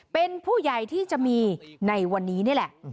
เป็นผู้ใหญ่ที่จะมีในวันนี้นี่แหละ